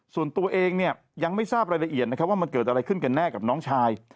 ส่วนตัวเองเนี่ยยังไม่ทราบรายละเอียดนะครับว่ามันเกิดอะไรขึ้นกันแน่กับน้องชาย